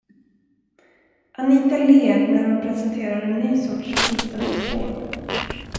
Anita ler när hon presenterar en ny sorts flytande tvål.